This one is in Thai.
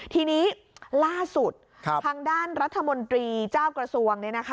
ทีนี้ล่าสุดทางด้านรัฐมนตรีเจ้ากระทรวง